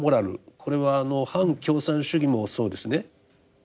これは反共産主義もそうですね。